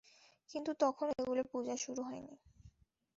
কিন্তু তখনও এগুলোর পূজা শুরু হয়নি।